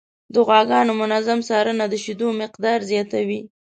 د غواګانو منظم څارنه د شیدو مقدار زیاتوي.